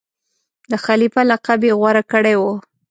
د خلیفه لقب یې غوره کړی وو.